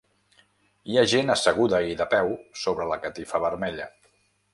Hi ha gent asseguda i de peu sobre la catifa vermella.